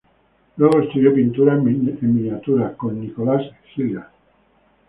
Luego estudió pintura en miniatura con Nicholas Hilliard.